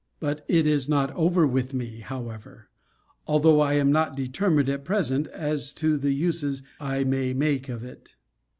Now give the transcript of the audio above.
But it is not over with me, however; although I am not determined at present as to the uses I may make of it.